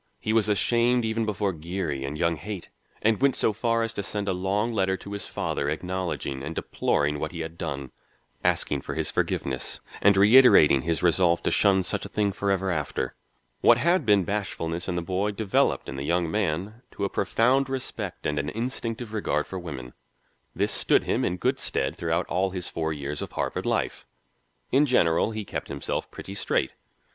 He was ashamed even before Geary and young Haight, and went so far as to send a long letter to his father acknowledging and deploring what he had done, asking for his forgiveness and reiterating his resolve to shun such a thing forever after. What had been bashfulness in the boy developed in the young man to a profound respect and an instinctive regard for women. This stood him in good stead throughout all his four years of Harvard life. In general, he kept himself pretty straight.